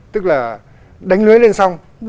tức là đánh lưới lên xong